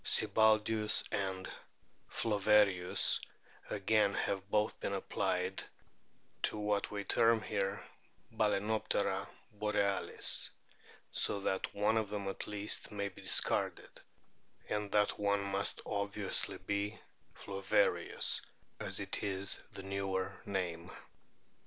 Sibbaldius and Flowerius again have both been applied to what we term here Balanoptera borealis ; so that one of them at least may be discarded, and that one must obviously be Flowerius, as it is the newer name.